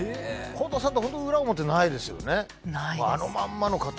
倖田さんって本当に裏表ないですよね。